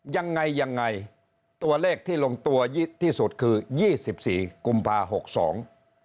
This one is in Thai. ยังไงยังไงตัวเลขที่ลงตัวที่สุดคือยี่สิบสี่กุมภาหกสอง